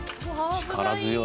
力強い。